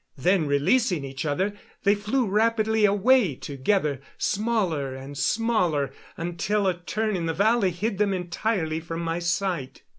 Then, releasing each other, they flew rapidly away together smaller and smaller, until a turn in the valley hid them entirely from my sight.